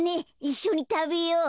いっしょにたべよう。